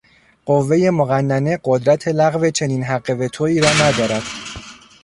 قوه مقننه قدرت لغو چنین حق وتویی را ندارد.